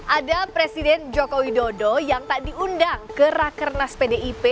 ada presiden joko widodo yang tak diundang ke rakernas pdip